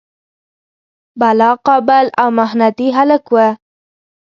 بلا قابل او محنتي هلک و.